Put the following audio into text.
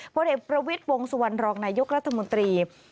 พลเอกประวิทย์วงสุวรรณรองนายกรัฐมนตรี